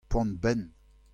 poan-benn.